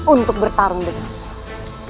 untuk bertarung dengan